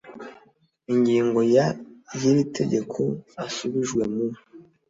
ingingo ya y iri tegeko asubijwe mu